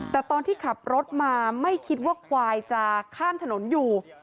แต่ตอนที่ขับรถมาไม่คิดว่าควายจะข้ามถนนอยู่